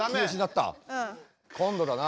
今度だな。